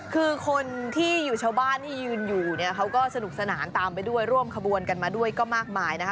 คือคนที่อยู่ชาวบ้านที่ยืนอยู่เนี่ยเขาก็สนุกสนานตามไปด้วยร่วมขบวนกันมาด้วยก็มากมายนะคะ